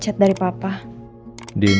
gue mau pakai ini